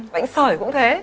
bệnh sởi cũng thế